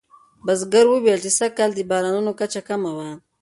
بزګر وویل چې سږکال د بارانونو کچه کمه وه.